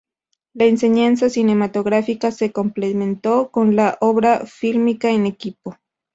La enseñanza cinematográfica se complementó con la obra fílmica en equipo.